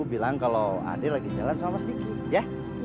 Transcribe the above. bilang kalau ade lagi jalan sama mas diki ya